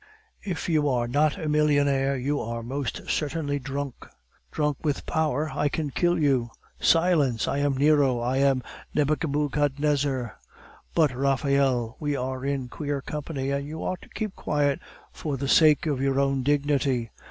"If you are not a millionaire, you are most certainly drunk." "Drunk with power. I can kill you! Silence! I am Nero! I am Nebuchadnezzar!" "But, Raphael, we are in queer company, and you ought to keep quiet for the sake of your own dignity."